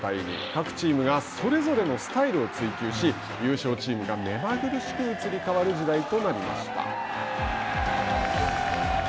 各チームがそれぞれのスタイルを追求し優勝チームが目まぐるしく移り変わる時代となりました。